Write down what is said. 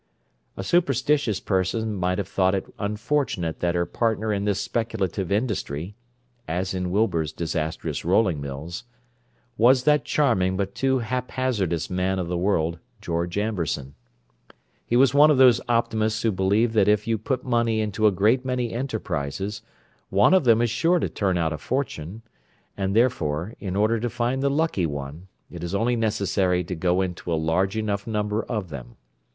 A superstitious person might have thought it unfortunate that her partner in this speculative industry (as in Wilbur's disastrous rolling mills) was that charming but too haphazardous man of the world, George Amberson. He was one of those optimists who believe that if you put money into a great many enterprises one of them is sure to turn out a fortune, and therefore, in order to find the lucky one, it is only necessary to go into a large enough number of them.